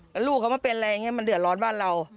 แล้วลูกเขามาเป็นอะไรอย่างนี้มันเดือดร้อนบ้านเรา